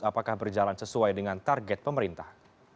apakah berjalan sesuai dengan target pemerintah